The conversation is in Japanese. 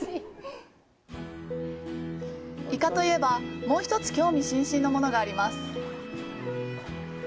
イカといえば、もう１つ、興味津々のものがあります。